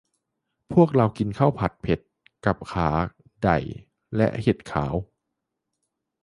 พวกเรากินข้าวผัดเผ็ดกับขาได่และเห็ดขาว